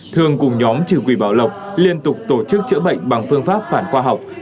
thường cùng nhóm trừ quỷ bảo lộc liên tục tổ chức chữa bệnh bằng phương pháp phản khoa học